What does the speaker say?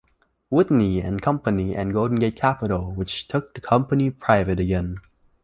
Whitney and Company and Golden Gate Capital, which took the company private again.